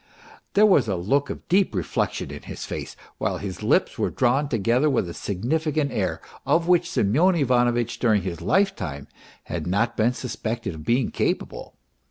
There was a look of deep reflection in his face, while his lips were drawn together with a significant air, of which Semj^on Ivanovitch during his lifetime had not been suspected of being capable.